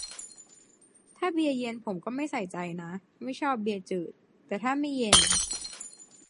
ถ้าเบียร์เย็นผมก็ไม่ใส่นะ ไม่ชอบเบียร์จืด แต่ถ้าไม่เย็น